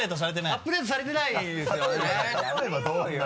アップデートされてないんですよやめようよ。